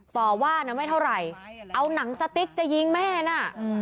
ต่อว่านะไม่เท่าไหร่เอาหนังสติ๊กจะยิงแม่น่ะ